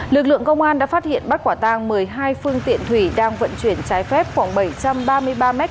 lực lượng công an đã phát hiện bắt quả tàng một mươi hai phương tiện thủy đang vận chuyển trái phép khoảng bảy trăm ba mươi ba mét khối đất